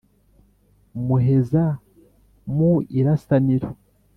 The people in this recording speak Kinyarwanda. muheza mu irasaniro